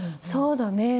そうだね。